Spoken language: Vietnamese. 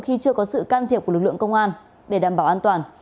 khi chưa có sự can thiệp của lực lượng công an để đảm bảo an toàn